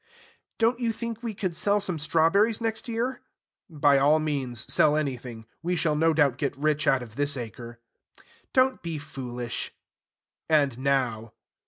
"Don't you think we could sell some strawberries next year?" "By all means, sell anything. We shall no doubt get rich out of this acre." "Don't be foolish." And now!